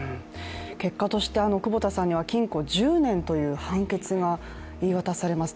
結果として久保田さんには禁錮１０年という判決が言い渡されます。